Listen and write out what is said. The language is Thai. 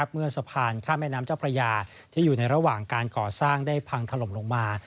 เมื่อสะพานข้ามแม่น้ำเจ้าพระยาที่อยู่ในระหว่างการก่อสร้างได้พังถล่มลงมา